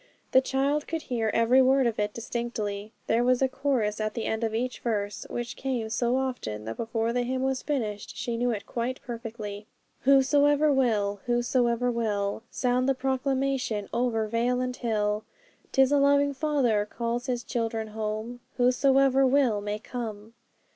The child could hear every word of it distinctly. There was a chorus at the end of each verse, which came so often, that before the hymn was finished she knew it quite perfectly 'Whosoever will, whosoever will; Sound the proclamation over vale and hill; 'Tis a loving Father calls His children home: Whosoever will may come!'